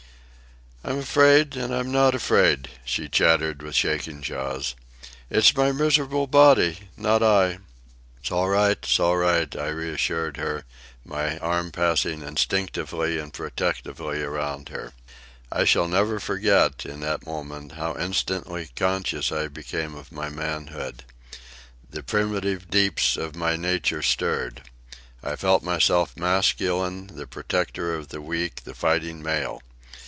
"I'm afraid, and I'm not afraid," she chattered with shaking jaws. "It's my miserable body, not I." "It's all right, it's all right," I reassured her, my arm passing instinctively and protectingly around her. I shall never forget, in that moment, how instantly conscious I became of my manhood. The primitive deeps of my nature stirred. I felt myself masculine, the protector of the weak, the fighting male.